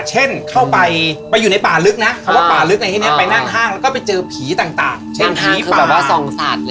เช่นเข้าไปไปอยู่ในป่าลึกนะเขาว่าป่าลึกในที่เนี้ยไปนั่งห้างแล้วก็ไปเจอผีต่างต่างเช่นนั่งห้างคือแบบว่าส่องสัตว์เลยอ่ะ